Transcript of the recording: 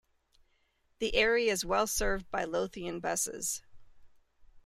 The area is well served by Lothian Buses.